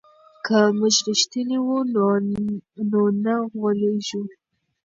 که موږ رښتیني وو نو نه غولېږو.